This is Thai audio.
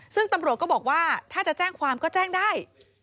ซึ่งตำรวจก็บอกว่าถ้าจะแจ้งความก็แจ้งได้